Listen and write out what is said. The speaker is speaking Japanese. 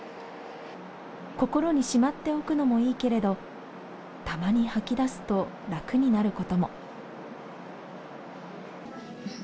心にしまっておくのもいいけれど、たまに吐き出すと、楽になること